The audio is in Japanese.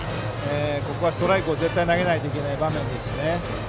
ここはストライクを絶対に投げなきゃいけない場面です。